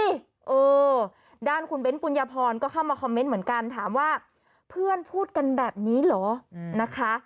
เออด้านคุณเบ้นปุญญาพรก็เข้ามาคอมเมนต์เหมือนกันถามว่าเพื่อนพูดกันแบบนี้เหรอนะคะ